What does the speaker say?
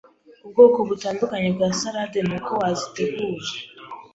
ubwoko butandukanye bwa salade n’uko wazitegura